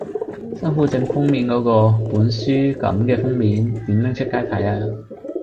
辛苦整封面嗰個，本書感嘅封面，點拎出街睇呀